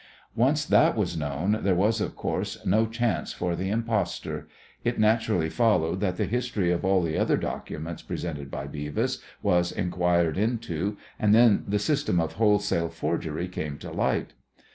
Once that was known there was, of course, no chance for the impostor. It naturally followed that the history of all the other documents presented by Beavis was inquired into, and then the system of wholesale forgery came to light.